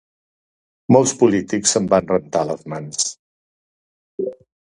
Molts polítics se'n van rentar les mans.